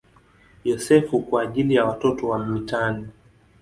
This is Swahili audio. Yosefu" kwa ajili ya watoto wa mitaani.